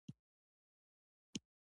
ارمان پيژو شخصي مسوولیت نهلري.